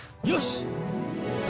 よし！